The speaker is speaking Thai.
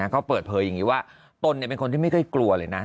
เขาเปิดเผยอย่างนี้ว่าตนเป็นคนที่ไม่ค่อยกลัวเลยนะ